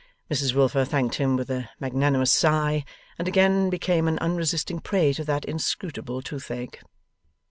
Mrs Wilfer thanked him with a magnanimous sigh, and again became an unresisting prey to that inscrutable toothache.